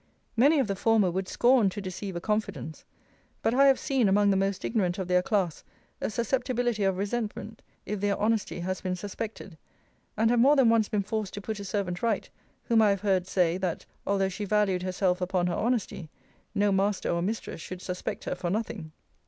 Many of the former would scorn to deceive a confidence. But I have seen, among the most ignorant of their class, a susceptibility of resentment, if their honesty has been suspected: and have more than once been forced to put a servant right, whom I have heard say, that, although she valued herself upon her honesty, no master or mistress should suspect her for nothing.